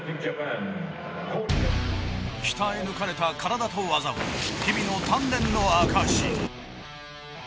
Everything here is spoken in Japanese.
鍛え抜かれた体と技は日々の鍛錬の証し。